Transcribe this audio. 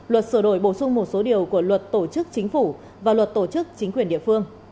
luật sửa đổi bổ sung một số điều của luật tổ chức chính phủ và luật tổ chức chính quyền địa phương